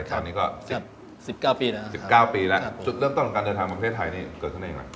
อาจารย์นี้๑๙ปีแล้วจุดเริ่มต้นการเดินทางมาประเทศไทยเกิดขึ้นได้อย่างไร